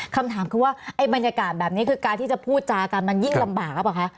คำถามคือว่าบรรยากาศแบบนี้คือการที่จะพูดจากันมันยิ่งลำบากครับ